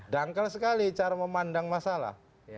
dangkal sekali cara memandang masalah